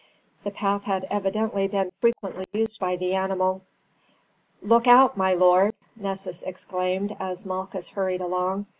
The path had evidently been frequently used by the animal. "Look out, my lord!" Nessus exclaimed as Malchus hurried along.